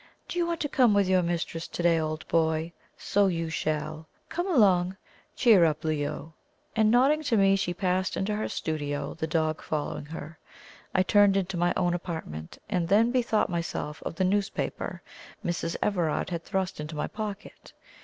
Do you want to come with your mistress to day, old boy? So you shall. Come along cheer up, Leo!" And, nodding to me, she passed into her studio, the dog following her. I turned into my own apartment, and then bethought myself of the newspaper Mrs. Everard had thrust into my pocket.